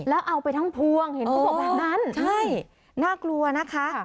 แล้วเอาไปทั้งพวงเห็นเขาบอกแบบนั้นใช่น่ากลัวนะคะ